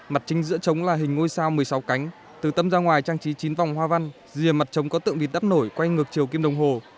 mặt chính giữa trống là hình ngôi sao một mươi sáu cánh từ tâm ra ngoài trang trí chín vòng hoa văn rìa mặt trống có tượng vịt đắp nổi quay ngược chiều kim đồng hồ